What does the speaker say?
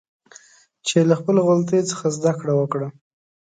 چې له خپلو غلطیو څخه زده کړه وکړه